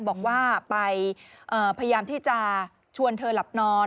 บอกว่าไปพยายามที่จะชวนเธอหลับนอน